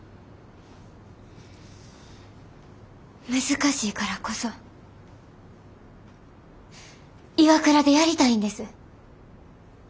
難しいからこそＩＷＡＫＵＲＡでやりたいんです。